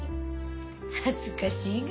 恥ずかしいが。